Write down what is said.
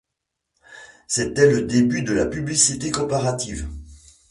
C'était le début de la publicité comparative...